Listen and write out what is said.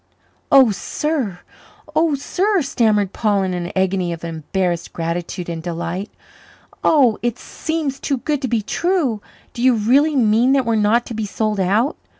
"Oh, sir! oh, sir!" stammered Paul in an agony of embarrassed gratitude and delight. "Oh, it seems too good to be true. Do you really mean that we're not to be sold out?